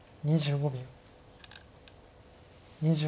２５秒。